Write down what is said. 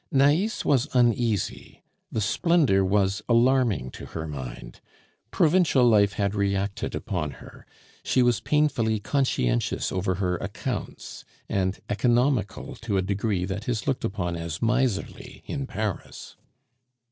Nais was uneasy. The splendor was alarming to her mind. Provincial life had reacted upon her; she was painfully conscientious over her accounts, and economical to a degree that is looked upon as miserly in Paris.